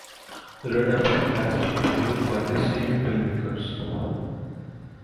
‘Red April’ had been produced by these same filmmakers.